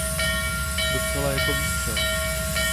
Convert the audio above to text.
Docela jako výstřel.